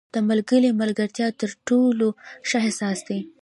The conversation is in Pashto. • د ملګري ملګرتیا تر ټولو ښه احساس دی.